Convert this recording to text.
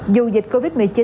dù dịch covid một mươi chín